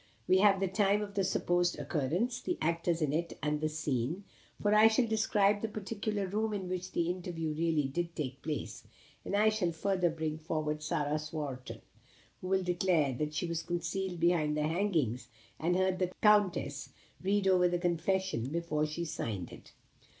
We have the time of the supposed occurrence the actors in it and the scene for I shall describe the particular room in which the interview really did take place, and I shall further bring forward Sarah Swarton, who will declare that she was concealed behind the hangings, and heard the Countess read over the confession before she signed it."